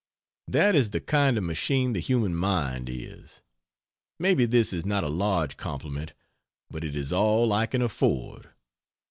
That is the kind of machine the human mind is. Maybe this is not a large compliment, but it is all I can afford.....